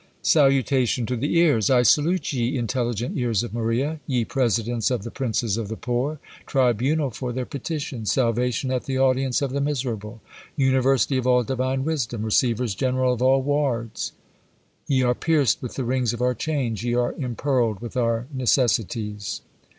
Salutation to the Ears. "I salute ye, intelligent ears of Maria! ye presidents of the princes of the poor! Tribunal for their petitions; salvation at the audience of the miserable! University of all divine wisdom! Receivers general of all wards! Ye are pierced with the rings of our chains; ye are impearled with our necessities!"